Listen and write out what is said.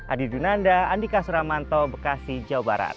adi dunanda andika suramanto bekasi jawa barat